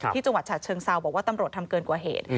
จังหวัดฉะเชิงเซาบอกว่าตำรวจทำเกินกว่าเหตุ